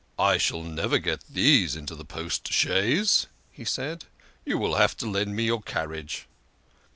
" I shall never get these into the post chaise," he said. " You will have to lend me your carriage."